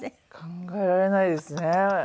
考えられないですね。